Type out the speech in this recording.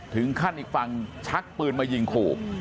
อีกขั้นอีกฝั่งชักปืนมายิงขู่